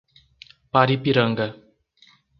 Paripiranga